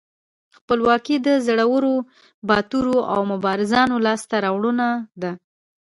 خپلواکي د زړورو، باتورو او مبارزانو لاسته راوړنه ده.